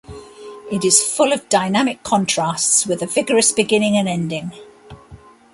It is full of dynamic contrasts with a vigorous beginning and ending.